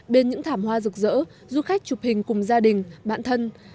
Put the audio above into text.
bên những thảm hoa rực rỡ du khách chụp hình cùng gia đình bạn thân